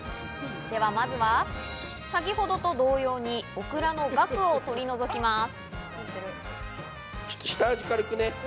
まずは先程と同様にオクラのガクを取り除きます。